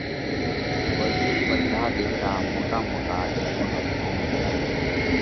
وزِير ٻڌا ۮيه را موٽا موٽا ڳيونِي ان زوڻُو تيڙايا